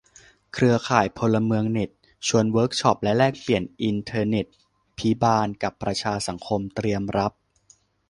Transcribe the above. เครือข่ายพลเมืองเน็ต ชวนเวิร์กช็อปและแลกเปลี่ยน "อินเทอร์เน็ตภิบาลกับประชาสังคม" เตรียมรับ